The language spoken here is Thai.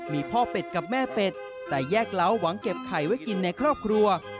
มีพ่อเป็ดกับแม่เป็ดแต่แยกเล้าหวังเก็บไข่ไว้กินในครอบครัว